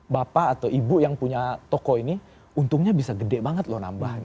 bapak atau ibu yang punya toko ini untungnya bisa gede banget loh nambah